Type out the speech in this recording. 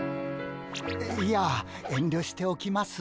いや遠慮しておきます。